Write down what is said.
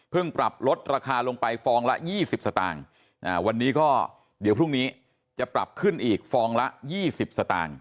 เพิ่งปรับลดราคาลงไปฟองละยี่สิบสตางค์อ่าวันนี้ก็เดี๋ยวพรุ่งนี้จะปรับขึ้นอีกฟองละยี่สิบสตางค์